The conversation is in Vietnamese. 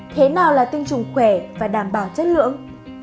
thế nào là tinh trùng khỏe và đảm bảo chất lượng